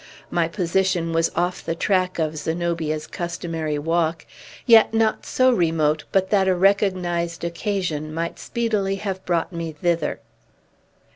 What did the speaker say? My position was off the track of Zenobia's customary walk, yet not so remote but that a recognized occasion might speedily have brought me thither.